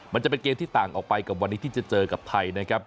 มันจะเป็นเกมที่ต่างออกไปกับวันนี้ที่จะเจอกับไทยนะครับ